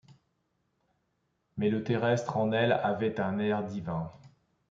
Mais le terrestre en elle avait un air divin ;